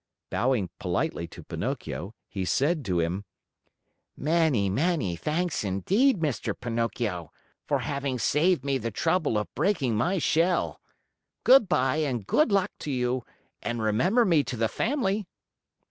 Bowing politely to Pinocchio, he said to him: "Many, many thanks, indeed, Mr. Pinocchio, for having saved me the trouble of breaking my shell! Good by and good luck to you and remember me to the family!"